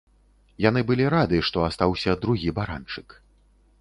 Яны былі рады, што астаўся другі баранчык.